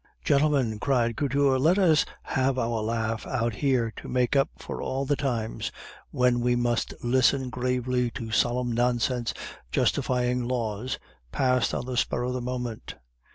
"Gentlemen," cried Couture, "let us have our laugh out here to make up for all the times when we must listen gravely to solemn nonsense justifying laws passed on the spur of the moment."